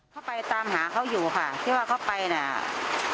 เขาไปตามหาเขาอยู่ค่ะที่ว่าเขาไปเนี่ย